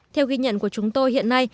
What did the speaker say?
theo ghi nhận của chúng tôi hiện nay